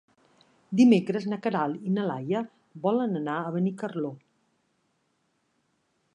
Dimecres na Queralt i na Laia volen anar a Benicarló.